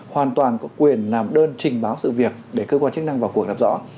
hoàn toàn có quyền làm đơn trình báo sự việc để cơ quan chức năng vào cuộc làm rõ